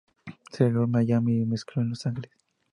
Se grabó en Miami y se mezcló en Los Ángeles.